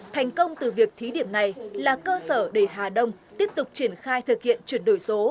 thành công từ việc thí điểm này là cơ sở để hà đông tiếp tục triển khai thực hiện chuyển đổi số